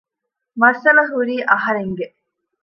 މައްސަލަ ހުރީ އަހަރެންގެ